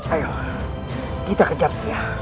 ayo kita kejar dia